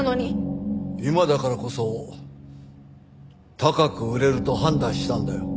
今だからこそ高く売れると判断したんだよ。